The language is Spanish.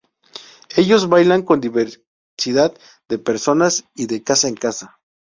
Ellos bailan con diversidad de personas y de casa en casa.